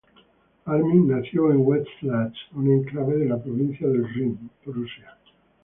Armin nació en Wetzlar, un exclave de la Provincia del Rin, Prusia.